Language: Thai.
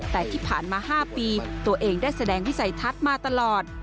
แต่ที่ผ่านมา๕ปีตัวเองได้แสดงวิสัยทัศน์มาตลอด